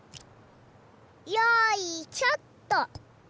よいしょっと！